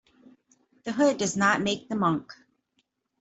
The hood does not make the monk.